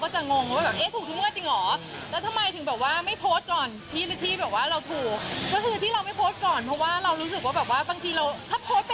จริงอันนี้เป็นเลขจากลูกไหมคะลูกของข้า